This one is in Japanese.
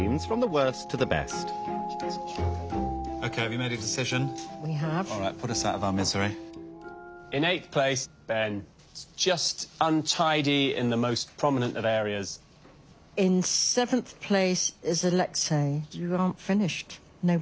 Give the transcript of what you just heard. はい。